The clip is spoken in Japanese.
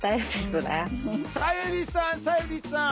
さゆりさんさゆりさん。